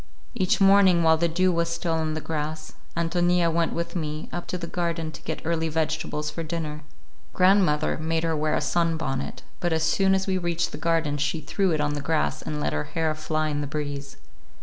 Each morning, while the dew was still on the grass, Ántonia went with me up to the garden to get early vegetables for dinner. Grandmother made her wear a sunbonnet, but as soon as we reached the garden she threw it on the grass and let her hair fly in the breeze.